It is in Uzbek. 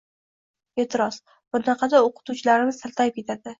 E’tiroz: «Bunaqada o‘qituvchilarimiz taltayib ketadi